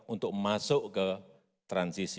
untuk masuk ke transisi